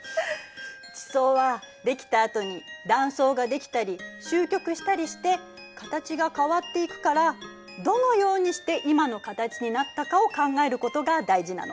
地層はできたあとに断層ができたりしゅう曲したりして形が変わっていくからどのようにして今の形になったかを考えることが大事なの。